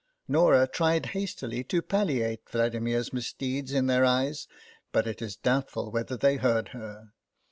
" Norah tried hastily to palliate Vladimir's misdeed in their eyes, but it is doubtful whether they heard her.